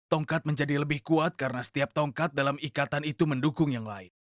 tongkat menjadi lebih kuat karena setiap tongkat dalam ikatan itu mendukung yang lain